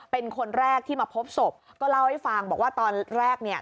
เป็นคนแรกที่มาพบศพก็เล่าให้ฟังบอกว่าตอนแรกเนี่ย